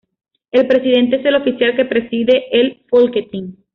El presidente es el oficial que preside el Folketing.